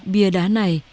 bìa đá này